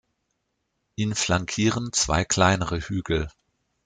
Ihn flankieren zwei kleinere Hügel.